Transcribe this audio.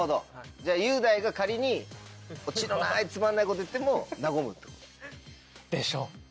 じゃあ雄大が仮にオチのないつまんないこと言っても和むってこと？